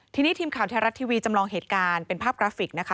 ทีนี้ทีมข่าวไทยรัฐทีวีจำลองเหตุการณ์เป็นภาพกราฟิกนะคะ